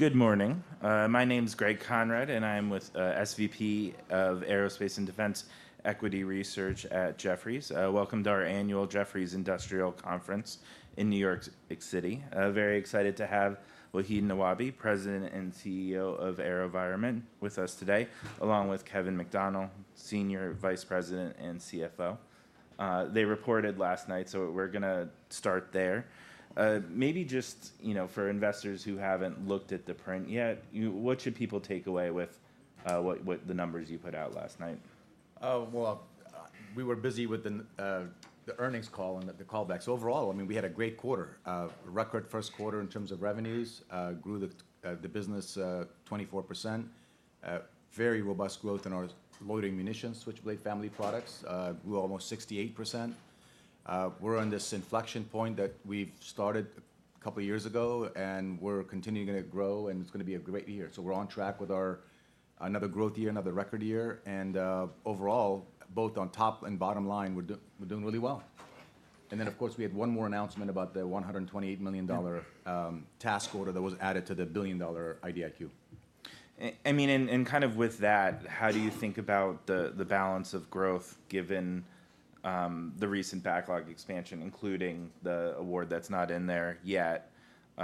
Good morning. My name is Greg Konrad, and I am with SVP of Aerospace and Defense Equity Research at Jefferies. Welcome to our annual Jefferies Industrial Conference in New York City. Very excited to have Wahid Nawabi, President and CEO of AeroVironment, with us today, along with Kevin McDonnell, Senior Vice President and CFO. They reported last night, so we're gonna start there. Maybe just, you know, for investors who haven't looked at the print yet, you—what should people take away with what the numbers you put out last night? Well, we were busy with the earnings call and the callbacks. Overall, I mean, we had a great quarter. Record first quarter in terms of revenues, grew the business 24%. Very robust growth in our loitering munition Switchblade family of products, grew almost 68%. We're on this inflection point that we've started a couple of years ago, and we're continuing to grow, and it's gonna be a great year. So we're on track with our another growth year, another record year, and overall, both on top and bottom line, we're doing really well. And then, of course, we had one more announcement about the $128 million task order that was added to the billion-dollar IDIQ. I mean, and kind of with that, how do you think about the balance of growth, given the recent backlog expansion, including the award that's not in there yet?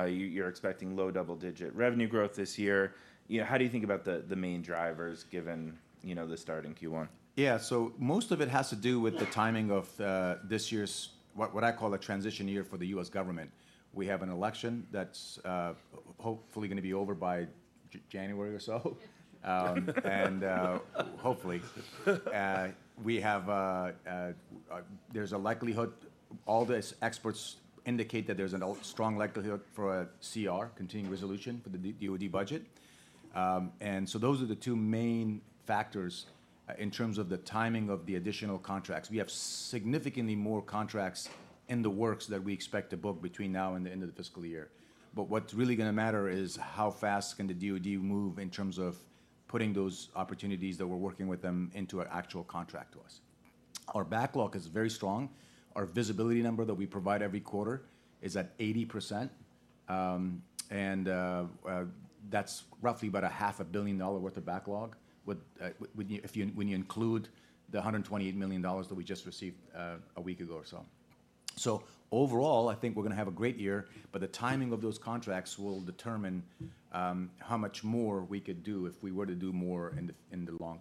You're expecting low double-digit revenue growth this year. You know, how do you think about the main drivers given the start in Q1? Yeah, so most of it has to do with the timing of this year's what I call a transition year for the U.S. government. We have an election that's hopefully gonna be over by January or so, and hopefully we have a likelihood, all the experts indicate that there's a strong likelihood for a CR, continuing resolution, for the DoD budget. And so those are the two main factors in terms of the timing of the additional contracts. We have significantly more contracts in the works that we expect to book between now and the end of the fiscal year. But what's really gonna matter is how fast can the DoD move in terms of putting those opportunities that we're working with them into an actual contract to us. Our backlog is very strong. Our visibility number that we provide every quarter is at 80%, and that's roughly about $500 million worth of backlog, with when you include the $128 million that we just received a week ago or so. Overall, I think we're gonna have a great year, but the timing of those contracts will determine how much more we could do if we were to do more in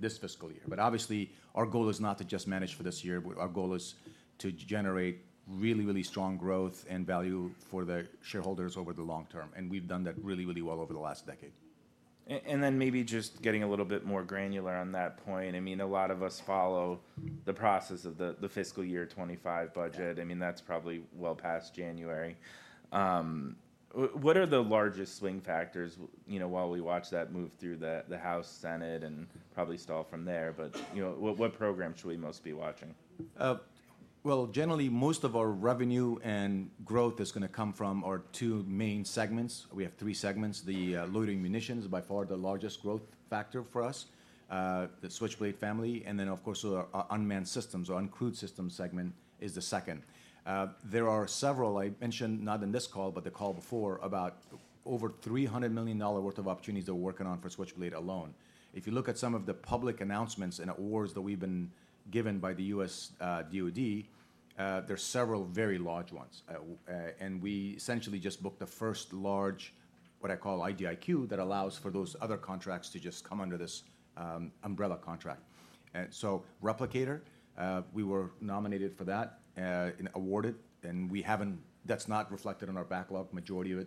this fiscal year. Obviously, our goal is not to just manage for this year. Our goal is to generate really, really strong growth and value for the shareholders over the long term, and we've done that really, really well over the last decade. And then maybe just getting a little bit more granular on that point, I mean, a lot of us follow the process of the fiscal year 2025 budget. I mean, that's probably well past January. What are the largest swing factors, you know, while we watch that move through the House, Senate, and probably stall from there, but, you know, what program should we most be watching? Well, generally, most of our revenue and growth is gonna come from our two main segments. We have three segments. The loitering munition is by far the largest growth factor for us, the Switchblade family, and then, of course, our unmanned systems or uncrewed systems segment is the second. There are several I mentioned, not in this call, but the call before, about over $300 million worth of opportunities that we're working on for Switchblade alone. If you look at some of the public announcements and awards that we've been given by the U.S. DoD, there's several very large ones. We essentially just booked the first large, what I call IDIQ, that allows for those other contracts to just come under this umbrella contract. And so Replicator, we were nominated for that, and awarded, and we haven't. That's not reflected in our backlog, majority of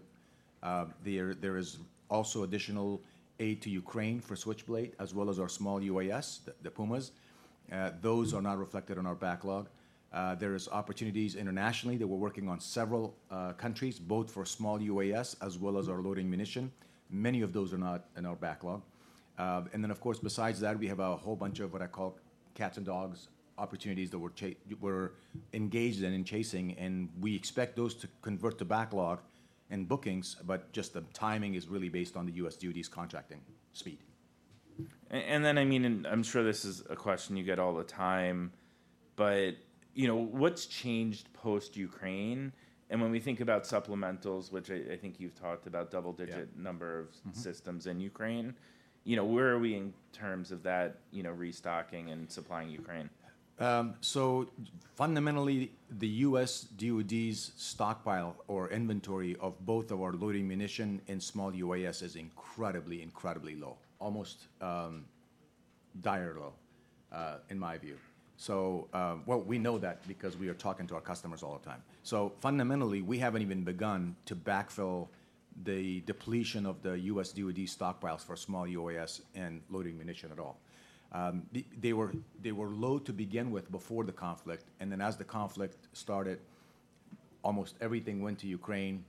it. There is also additional aid to Ukraine for Switchblade, as well as our small UAS, the Pumas. Those are not reflected in our backlog. There is opportunities internationally that we're working on several countries, both for small UAS as well as our loitering munition. Many of those are not in our backlog. And then, of course, besides that, we have a whole bunch of what I call cats and dogs, opportunities that we're engaged in and chasing, and we expect those to convert to backlog and bookings, but just the timing is really based on the U.S. DoD's contracting speed. And then, I mean, and I'm sure this is a question you get all the time, but, you know, what's changed post-Ukraine? And when we think about supplementals, which I think you've talked about double digit number of systems in Ukraine, you know, where are we in terms of that, you know, restocking and supplying Ukraine? So fundamentally, the U.S. DoD's stockpile or inventory of both of our loitering munition and small UAS is incredibly, incredibly low, almost dire low, in my view. So we know that because we are talking to our customers all the time. So fundamentally, we haven't even begun to backfill the depletion of the U.S. DoD stockpiles for small UAS and loitering munition at all. They were low to begin with before the conflict, and then as the conflict started, almost everything went to Ukraine,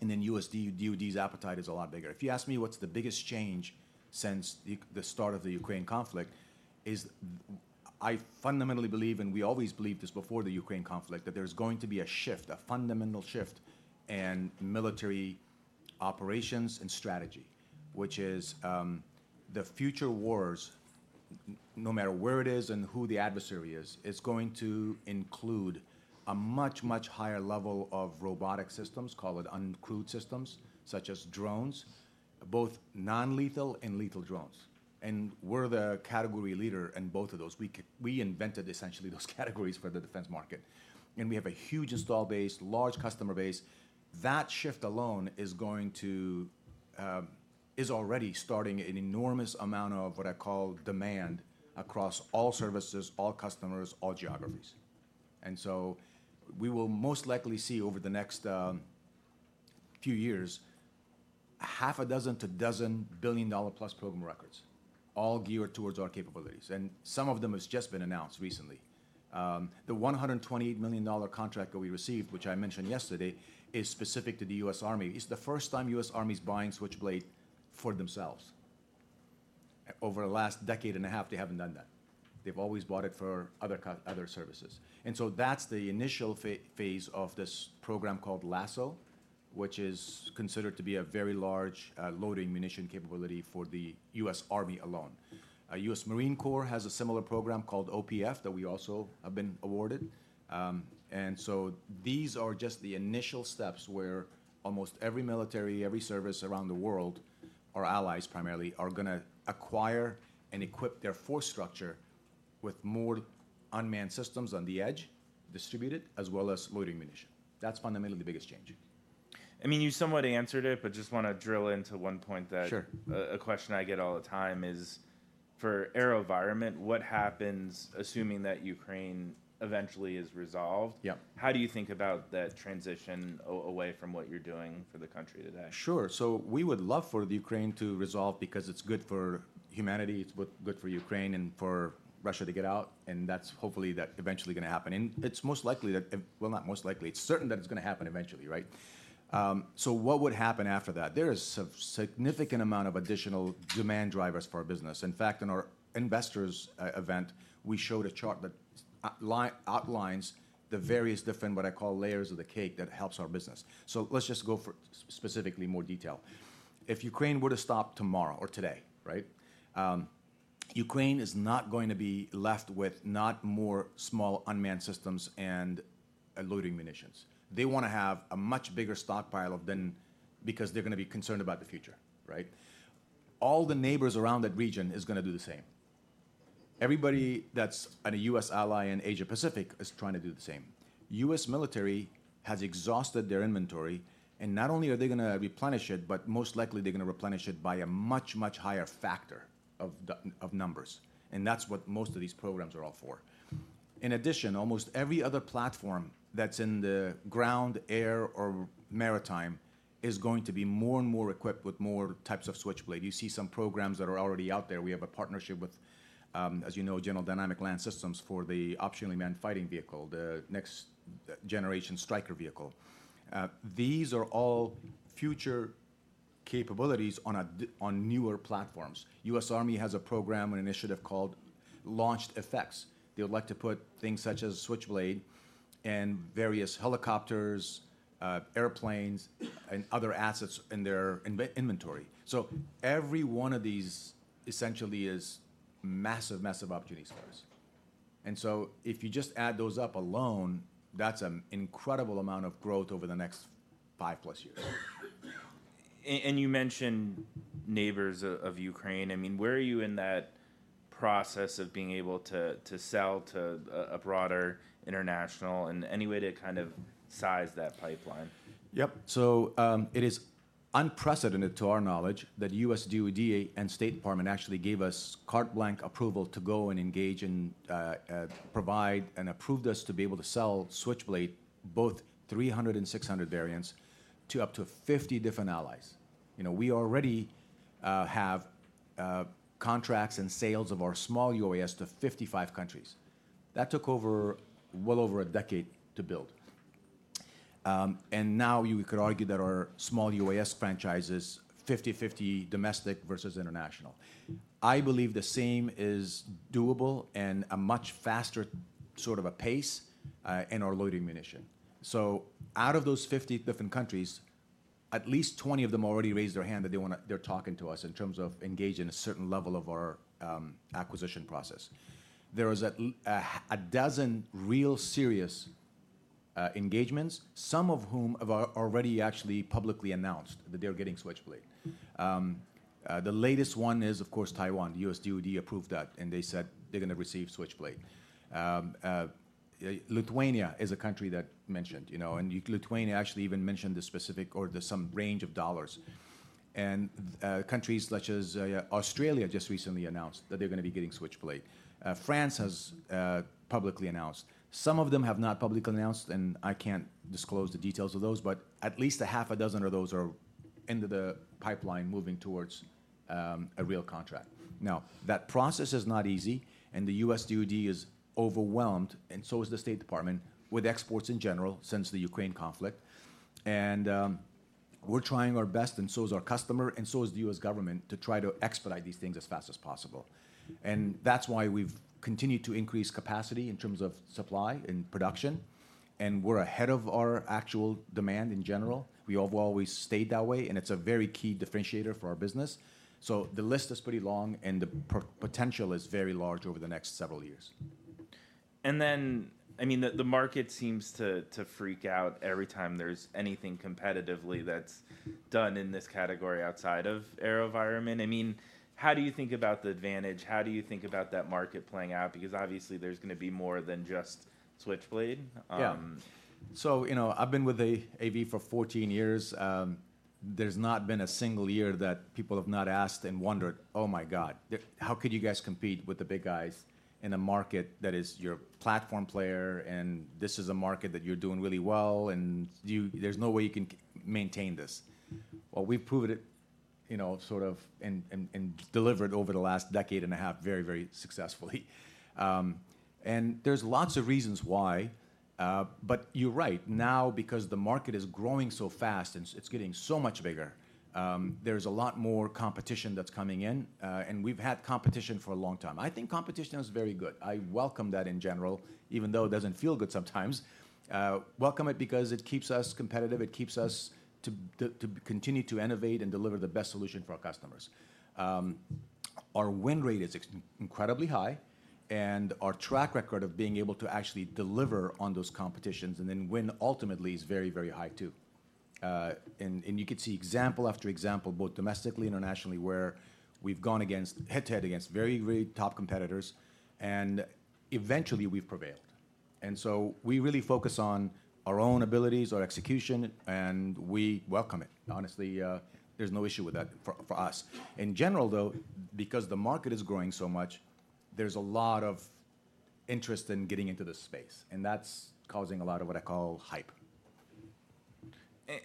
and then U.S. DoD's appetite is a lot bigger. If you ask me what's the biggest change since the start of the Ukraine conflict is. I fundamentally believe, and we always believed this before the Ukraine conflict, that there's going to be a shift, a fundamental shift in military operations and strategy, which is the future wars, no matter where it is and who the adversary is, it's going to include a much, much higher level of robotic systems, call it uncrewed systems, such as drones, both non-lethal and lethal drones. And we're the category leader in both of those. We invented, essentially, those categories for the defense market, and we have a huge install base, large customer base. That shift alone is going to is already starting an enormous amount of what I call demand across all services, all customers, all geographies. And so we will most likely see over the next few years, half a dozen to dozen billion-dollar-plus program records, all geared towards our capabilities, and some of them has just been announced recently. The $128 million contract that we received, which I mentioned yesterday, is specific to the U.S. Army. It's the first time U.S. Army's buying Switchblade for themselves. Over the last decade and a half, they haven't done that. They've always bought it for other services. And so that's the initial phase of this program called LASSO, which is considered to be a very large loitering munition capability for the U.S. Army alone. U.S. Marine Corps has a similar program called OPF that we also have been awarded. And so these are just the initial steps where almost every military, every service around the world, our allies primarily, are gonna acquire and equip their force structure with more unmanned systems on the edge, distributed, as well as loitering munitions. That's fundamentally the biggest change. I mean, you somewhat answered it, but just wanna drill into one point that a question I get all the time is, for AeroVironment, what happens, assuming that Ukraine eventually is resolved? Yeah. How do you think about that transition away from what you're doing for the country today? Sure. So we would love for Ukraine to resolve because it's good for humanity, it's good for Ukraine and for Russia to get out, and that's hopefully that eventually gonna happen. And it's most likely that, well, not most likely, it's certain that it's gonna happen eventually, right? So what would happen after that? There is a significant amount of additional demand drivers for our business. In fact, in our investors event, we showed a chart that outlines the various different, what I call layers of the cake, that helps our business. So let's just go for specifically more detail. If Ukraine were to stop tomorrow or today, right, Ukraine is not going to be left with not more small unmanned systems and loitering munitions. They wanna have a much bigger stockpile of than because they're gonna be concerned about the future, right? All the neighbors around that region is gonna do the same. Everybody that's a U.S. ally in Asia-Pacific is trying to do the same. U.S. military has exhausted their inventory, and not only are they gonna replenish it, but most likely they're gonna replenish it by a much, much higher factor of the, of numbers, and that's what most of these programs are all for. In addition, almost every other platform that's in the ground, air, or maritime is going to be more and more equipped with more types of Switchblade. You see some programs that are already out there. We have a partnership with, as you know, General Dynamics Land Systems for the Optionally Manned Fighting Vehicle, the next generation Stryker vehicle. These are all future capabilities on newer platforms. U.S. Army has a program, an initiative called Launched Effects. They would like to put things such as Switchblade and various helicopters, airplanes, and other assets in their inventory. So every one of these essentially is massive, massive opportunity for us. And so if you just add those up alone, that's an incredible amount of growth over the next 5+ years. And you mentioned neighbors of Ukraine. I mean, where are you in that process of being able to sell to a broader international, and any way to kind of size that pipeline? Yep. So, it is unprecedented to our knowledge that U.S. DoD and State Department actually gave us carte blanche approval to go and engage and provide, and approved us to be able to sell Switchblade 300 and 600 variants to up to 50 different allies. You know, we already have contracts and sales of our small UAS to 55 countries. That took over, well over a decade to build. And now you could argue that our small UAS franchise is 50-50 domestic versus international. I believe the same is doable and a much faster sort of a pace in our loitering ammunition. So out of those 50 different countries, at least 20 of them already raised their hand that they wanna-- they're talking to us in terms of engaging a certain level of our acquisition process. There is a dozen real serious engagements, some of whom have already actually publicly announced that they're getting Switchblade. The latest one is, of course, Taiwan. U.S. DoD approved that, and they said they're gonna receive Switchblade. Lithuania is a country that mentioned, you know, and Lithuania actually even mentioned the specific or the some range of dollars. And, countries such as, Australia just recently announced that they're gonna be getting Switchblade. France has publicly announced. Some of them have not publicly announced, and I can't disclose the details of those, but at least a half a dozen of those are into the pipeline moving towards a real contract. Now, that process is not easy, and the U.S. DoD is overwhelmed, and so is the State Department, with exports in general since the Ukraine conflict. We're trying our best, and so is our customer, and so is the U.S. government, to try to expedite these things as fast as possible. That's why we've continued to increase capacity in terms of supply and production, and we're ahead of our actual demand in general. We have always stayed that way, and it's a very key differentiator for our business. The list is pretty long, and the potential is very large over the next several years. ...And then, I mean, the market seems to freak out every time there's anything competitively that's done in this category outside of AeroVironment. I mean, how do you think about the advantage? How do you think about that market playing out? Because obviously, there's gonna be more than just Switchblade. Yeah. You know, I've been with AV for fourteen years. There's not been a single year that people have not asked and wondered: "Oh, my God, how could you guys compete with the big guys in a market that is your platform player, and this is a market that you're doing really well, and there's no way you can maintain this?" We've proved it, you know, sort of, and delivered over the last decade and a half, very, very successfully. And there's lots of reasons why. But you're right. Now, because the market is growing so fast, and it's getting so much bigger, there's a lot more competition that's coming in, and we've had competition for a long time. I think competition is very good. I welcome that in general, even though it doesn't feel good sometimes. Welcome it because it keeps us competitive. It keeps us to continue to innovate and deliver the best solution for our customers. Our win rate is incredibly high, and our track record of being able to actually deliver on those competitions and then win ultimately is very, very high, too. You could see example after example, both domestically, internationally, where we've gone against head-to-head against very great top competitors, and eventually we've prevailed. So we really focus on our own abilities, our execution, and we welcome it. Honestly, there's no issue with that for us. In general, though, because the market is growing so much, there's a lot of interest in getting into this space, and that's causing a lot of what I call hype.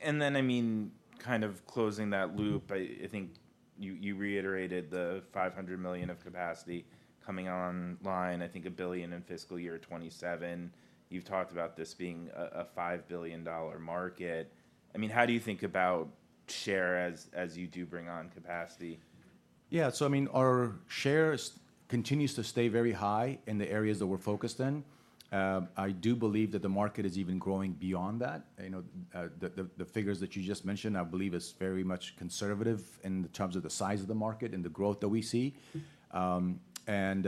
Then, I mean, kind of closing that loop, I think you reiterated the $500 million of capacity coming online, I think $1 billion in fiscal year 2027. You've talked about this being a $5 billion market. I mean, how do you think about share as you do bring on capacity? Yeah, so I mean, our share is continues to stay very high in the areas that we're focused in. I do believe that the market is even growing beyond that. You know, the figures that you just mentioned, I believe, is very much conservative in terms of the size of the market and the growth that we see. And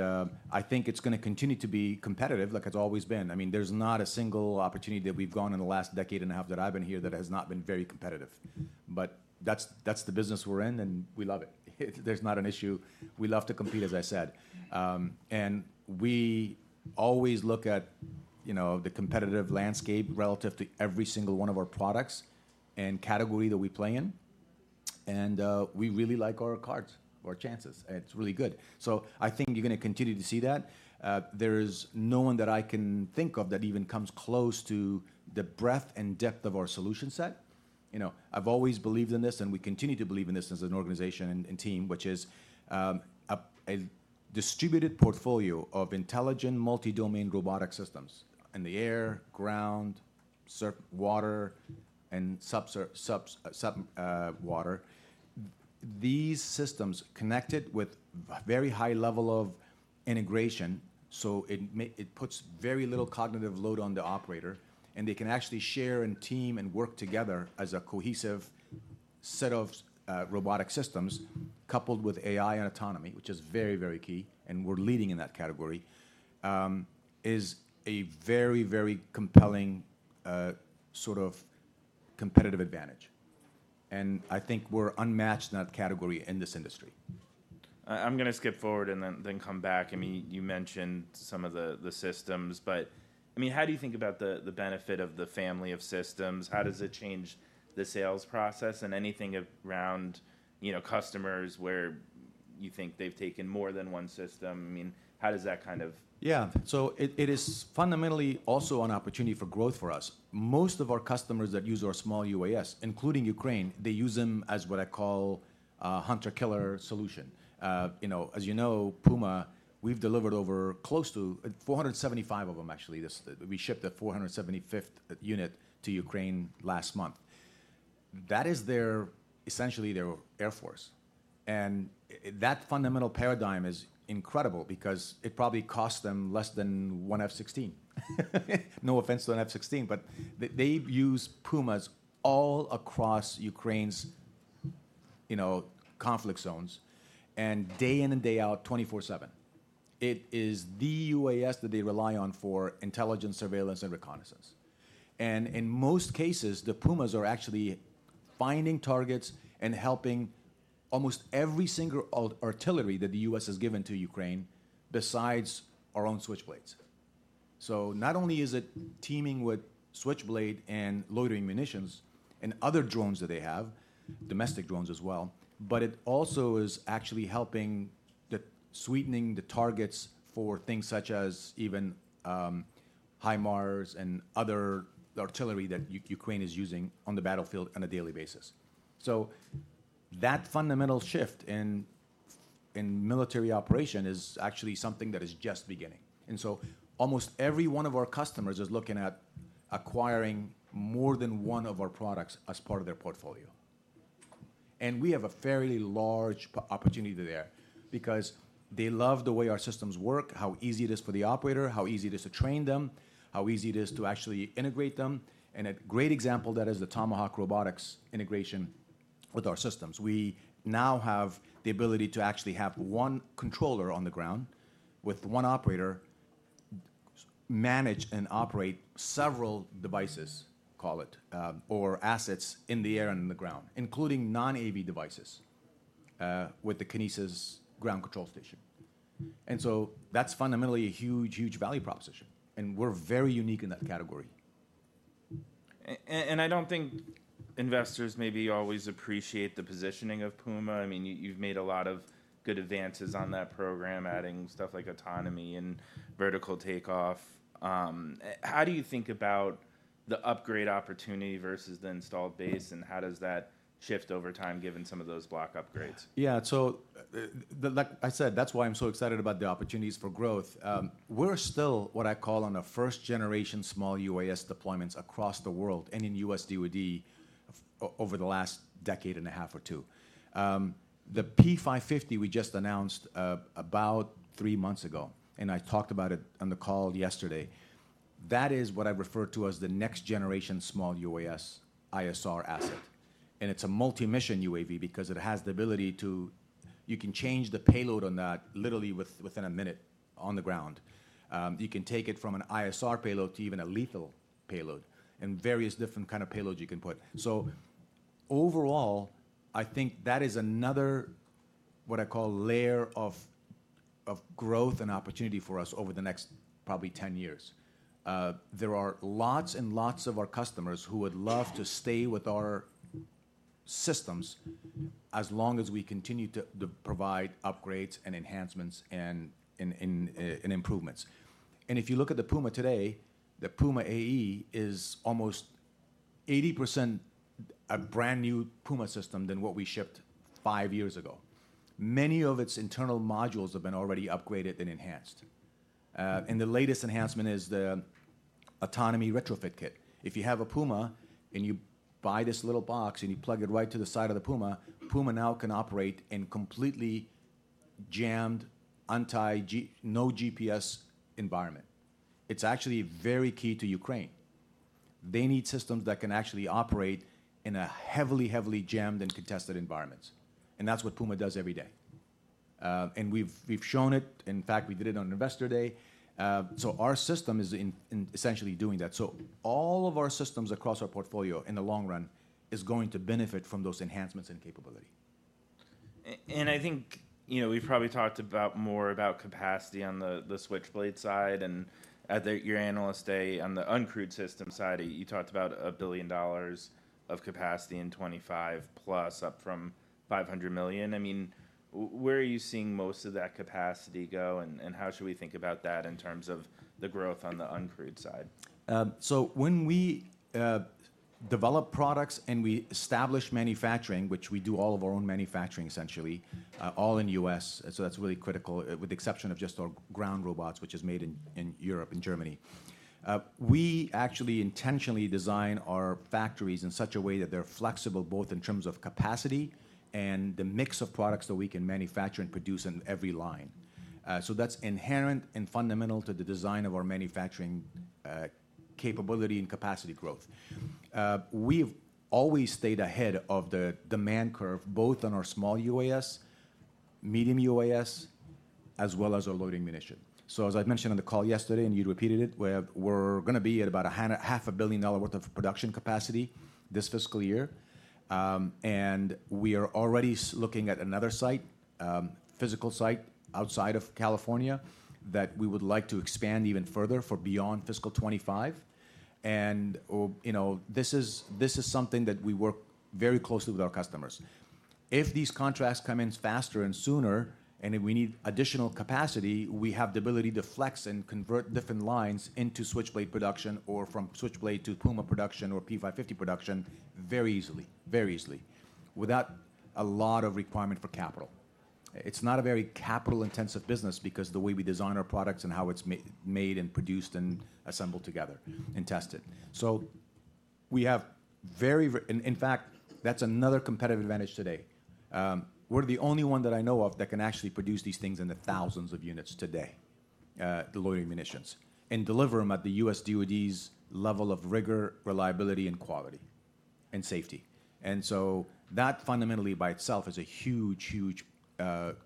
I think it's gonna continue to be competitive like it's always been. I mean, there's not a single opportunity that we've gone in the last decade and a half that I've been here that has not been very competitive. But that's the business we're in, and we love it. There's not an issue. We love to compete, as I said. And we always look at, you know, the competitive landscape relative to every single one of our products and category that we play in, and we really like our cards, our chances, and it's really good. So I think you're gonna continue to see that. There's no one that I can think of that even comes close to the breadth and depth of our solution set. You know, I've always believed in this, and we continue to believe in this as an organization and team, which is a distributed portfolio of intelligent, multi-domain robotic systems in the air, ground, surface water, and subsurface water. These systems connected with very high level of integration, so it puts very little cognitive load on the operator, and they can actually share and team and work together as a cohesive set of robotic systems coupled with AI and autonomy, which is very, very key, and we're leading in that category is a very, very compelling sort of competitive advantage. And I think we're unmatched in that category in this industry. I'm gonna skip forward and then come back. I mean, you mentioned some of the systems, but I mean, how do you think about the benefit of the family of systems? How does it change the sales process and anything around, you know, customers where you think they've taken more than one system? I mean, how does that kind of- Yeah. So it is fundamentally also an opportunity for growth for us. Most of our customers that use our small UAS, including Ukraine, they use them as what I call a hunter-killer solution. You know, as you know, Puma, we've delivered over close to four hundred and seventy-five of them actually, we shipped the four hundred and seventy-fifth unit to Ukraine last month. That is their, essentially their air force, and that fundamental paradigm is incredible because it probably cost them less than one F-16. No offense to an F-16, but they, they've used Pumas all across Ukraine's, you know, conflict zones and day in and day out, twenty-four seven. It is the UAS that they rely on for intelligence, surveillance, and reconnaissance. In most cases, the Pumas are actually finding targets and helping almost every single all artillery that the U.S. has given to Ukraine, besides our own Switchblades. So not only is it teaming with Switchblade and loitering munitions and other drones that they have, domestic drones as well, but it also is actually helping the sweetening the targets for things such as even HIMARS and other artillery that Ukraine is using on the battlefield on a daily basis. So that fundamental shift in military operation is actually something that is just beginning. Almost every one of our customers is looking at acquiring more than one of our products as part of their portfolio. We have a fairly large P-550 opportunity there because they love the way our systems work, how easy it is for the operator, how easy it is to train them, how easy it is to actually integrate them. A great example of that is the Tomahawk Robotics integration with our systems. We now have the ability to actually have one controller on the ground, with one operator, manage and operate several devices, call it, or assets in the air and on the ground, including non-AV devices, with the Kinesis ground control station. That's fundamentally a huge, huge value proposition, and we're very unique in that category. And I don't think investors maybe always appreciate the positioning of Puma. I mean, you, you've made a lot of good advances on that program, adding stuff like autonomy and vertical takeoff. How do you think about the upgrade opportunity versus the installed base, and how does that shift over time, given some of those block upgrades? Yeah, so, like I said, that's why I'm so excited about the opportunities for growth. We're still what I call on a first-generation small UAS deployments across the world and in U.S. DoD over the last decade and a half or two. The P-550 we just announced about three months ago, and I talked about it on the call yesterday. That is what I refer to as the next-generation small UAS ISR asset, and it's a multi-mission UAV because it has the ability to you can change the payload on that literally within a minute on the ground. You can take it from an ISR payload to even a lethal payload, and various different kind of payloads you can put. So overall, I think that is another, what I call layer of growth and opportunity for us over the next probably ten years. There are lots and lots of our customers who would love to stay with our systems as long as we continue to provide upgrades and enhancements and improvements. And if you look at the Puma today, the Puma AE is almost 80% a brand-new Puma system than what we shipped five years ago. Many of its internal modules have been already upgraded and enhanced. And the latest enhancement is the Autonomy Retrofit Kit. If you have a Puma, and you buy this little box, and you plug it right to the side of the Puma, Puma now can operate in completely jammed, untethered, GPS-denied environment. It's actually very key to Ukraine. They need systems that can actually operate in a heavily jammed and contested environments, and that's what Puma does every day. And we've shown it. In fact, we did it on Investor Day, so our system is in essentially doing that, so all of our systems across our portfolio, in the long run, is going to benefit from those enhancements and capability. And I think, you know, we've probably talked more about capacity on the Switchblade side and at your Analyst Day, on the uncrewed system side, you talked about $1+ billion of capacity in 2025, up from $500 million. I mean, where are you seeing most of that capacity go, and how should we think about that in terms of the growth on the uncrewed side? So when we develop products and we establish manufacturing, which we do all of our own manufacturing, essentially, all in U.S., so that's really critical, with the exception of just our ground robots, which is made in Europe, in Germany. We actually intentionally design our factories in such a way that they're flexible, both in terms of capacity and the mix of products that we can manufacture and produce in every line. So that's inherent and fundamental to the design of our manufacturing, capability and capacity growth. We've always stayed ahead of the demand curve, both on our small UAS, medium UAS, as well as our loitering munition. So as I mentioned on the call yesterday, and you repeated it, we're gonna be at about $500 million worth of production capacity this fiscal year. And we are already looking at another physical site outside of California that we would like to expand even further beyond fiscal 2025. Or you know this is something that we work very closely with our customers. If these contracts come in faster and sooner and if we need additional capacity we have the ability to flex and convert different lines into Switchblade production or from Switchblade to Puma production or P-550 production very easily without a lot of requirement for capital. It's not a very capital-intensive business because the way we design our products and how it's made and produced and assembled together and tested. So we have very and in fact that's another competitive advantage today. We're the only one that I know of that can actually produce these things in the thousands of units today, the loitering munitions, and deliver them at the U.S. DoD's level of rigor, reliability, and quality, and safety. And so that fundamentally by itself is a huge, huge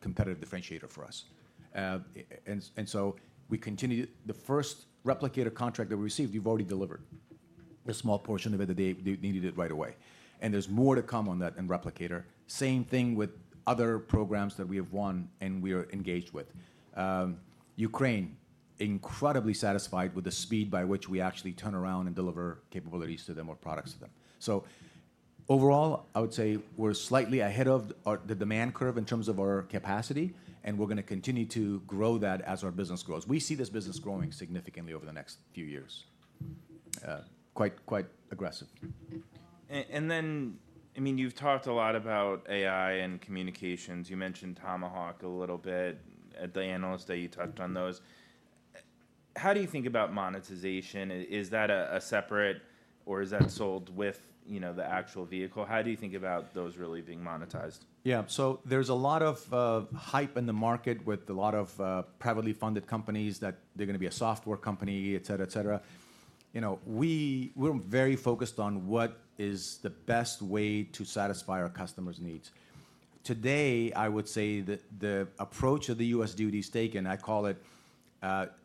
competitive differentiator for us. And so we continue. The first Replicator contract that we received, we've already delivered a small portion of it that they needed it right away, and there's more to come on that in Replicator. Same thing with other programs that we have won and we are engaged with. Ukraine, incredibly satisfied with the speed by which we actually turn around and deliver capabilities to them or products to them. Overall, I would say we're slightly ahead of the demand curve in terms of our capacity, and we're gonna continue to grow that as our business grows. We see this business growing significantly over the next few years, quite aggressive. And then, I mean, you've talked a lot about AI and communications. You mentioned Tomahawk a little bit. At the Analyst Day, you touched on those. How do you think about monetization? Is that a separate or is that sold with, you know, the actual vehicle? How do you think about those really being monetized? Yeah, so there's a lot of hype in the market with a lot of privately funded companies that they're gonna be a software company, et cetera, et cetera. You know, we're very focused on what is the best way to satisfy our customers' needs. Today, I would say that the approach of the U.S. DoD's taken, I call it,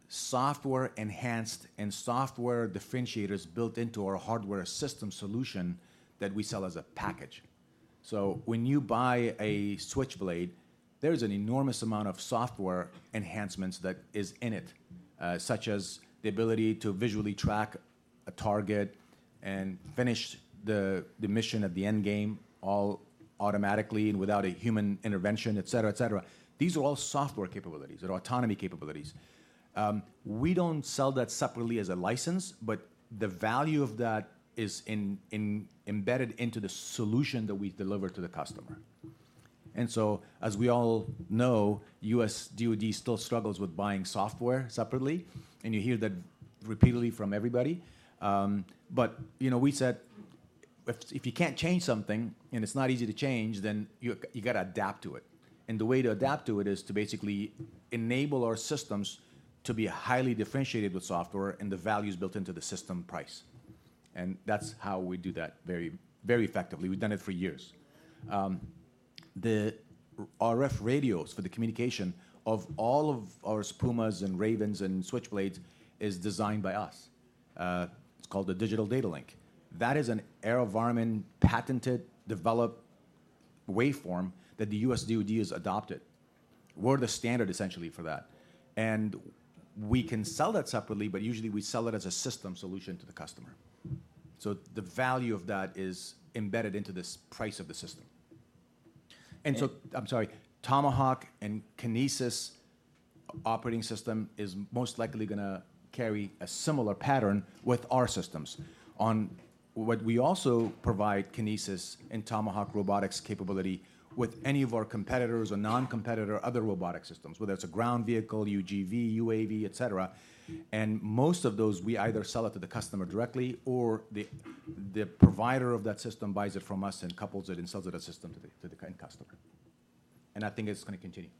software enhanced and software differentiators built into our hardware system solution that we sell as a package, so when you buy a Switchblade, there's an enormous amount of software enhancements that is in it, such as the ability to visually track a target and finish the mission at the end game all automatically and without a human intervention, et cetera, et cetera. These are all software capabilities or autonomy capabilities. We don't sell that separately as a license, but the value of that is in embedded into the solution that we deliver to the customer. And so, as we all know, U.S. DoD still struggles with buying software separately, and you hear that repeatedly from everybody. But, you know, we said, if you can't change something, and it's not easy to change, then you gotta adapt to it. And the way to adapt to it is to basically enable our systems to be highly differentiated with software and the values built into the system price, and that's how we do that very, very effectively. We've done it for years. The RF radios for the communication of all of our Pumas and Ravens and Switchblades is designed by us. It's called the Digital Data Link. That is an AeroVironment patented, developed waveform that the U.S. DoD has adopted. We're the standard, essentially, for that, and we can sell that separately, but usually, we sell it as a system solution to the customer. So the value of that is embedded into the system price of the system. And so, I'm sorry, Tomahawk and Kinesis operating system is most likely gonna carry a similar pattern with our systems. One thing we also provide Kinesis and Tomahawk Robotics capability with any of our competitors or non-competitor, other robotic systems, whether it's a ground vehicle, UGV, UAV, et cetera. And most of those, we either sell it to the customer directly, or the, the provider of that system buys it from us and couples it and sells it as a system to the, to the end customer, and I think it's gonna continue.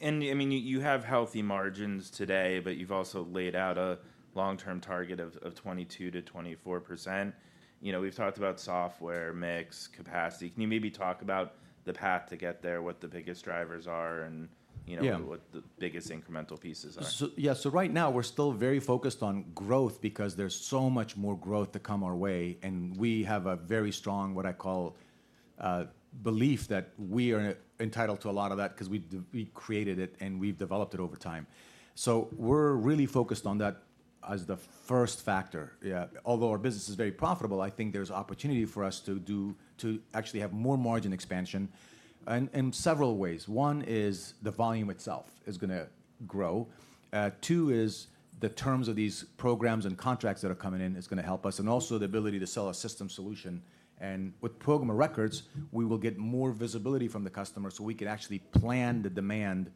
I mean, you have healthy margins today, but you've also laid out a long-term target of 22%-24%. You know, we've talked about software, mix, capacity. Can you maybe talk about the path to get there, what the biggest drivers are, and, you know? what the biggest incremental pieces are? So, yeah, so right now, we're still very focused on growth because there's so much more growth to come our way, and we have a very strong, what I call, belief, that we are entitled to a lot of that 'cause we created it, and we've developed it over time. So we're really focused on that as the first factor. Yeah, although our business is very profitable, I think there's opportunity for us to do, to actually have more margin expansion in, in several ways. One is the volume itself is gonna grow. Two is the terms of these programs and contracts that are coming in is gonna help us, and also the ability to sell a system solution. With program of records, we will get more visibility from the customer, so we can actually plan the demand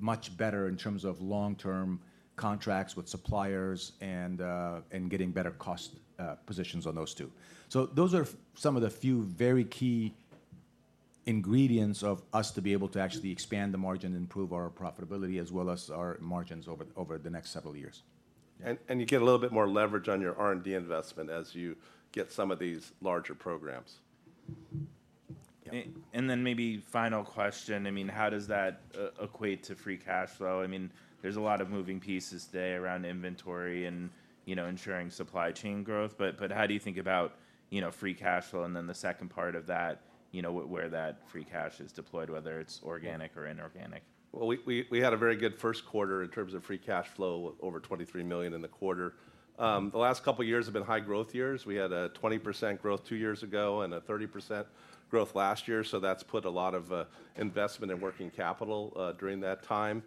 much better in terms of long-term contracts with suppliers and getting better cost positions on those, too. Those are some of the few very key ingredients for us to be able to actually expand the margin and improve our profitability, as well as our margins over the next several years. You get a little bit more leverage on your R&D investment as you get some of these larger programs. And then, maybe final question, I mean, how does that equate to free cash flow? I mean, there's a lot of moving pieces today around inventory and, you know, ensuring supply chain growth, but how do you think about, you know, free cash flow? And then the second part of that, you know, where that free cash is deployed, whether it's organic or inorganic. We had a very good first quarter in terms of free cash flow, over $23 million in the quarter. The last couple of years have been high growth years. We had a 20% growth two years ago and a 30% growth last year, so that's put a lot of investment in working capital during that time.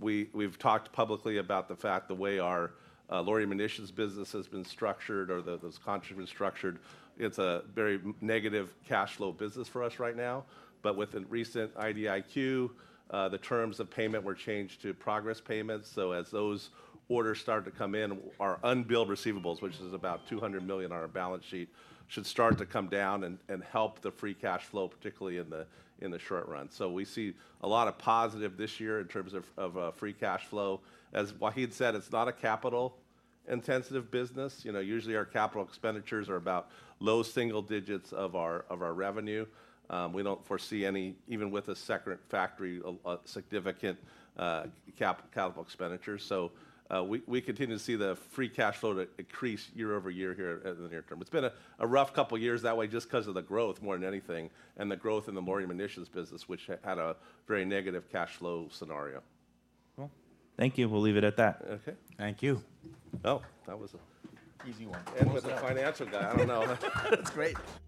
We've talked publicly about the fact the way our Loitering Munitions business has been structured or those contributions structured, it's a very negative cash flow business for us right now. With the recent IDIQ, the terms of payment were changed to progress payments, so as those orders start to come in, our unbilled receivables, which is about $200 million on our balance sheet, should start to come down and help the free cash flow, particularly in the short run. We see a lot of positive this year in terms of free cash flow. As Wahid said, it's not a capital-intensive business. You know, usually, our capital expenditures are about low single digits of our revenue. We don't foresee any, even with a second factory, a significant capital expenditure. We continue to see the free cash flow to increase year over year here in the near term. It's been a rough couple of years that way, just 'cause of the growth more than anything, and the growth in the loitering munitions business, which had a very negative cash flow scenario. Thank you. We'll leave it at that. Okay. Thank you. Well, that was a- Easy one. End with a financial guy. I don't know. That's great!